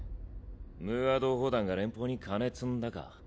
ムーア同胞団が連邦に金積んだか？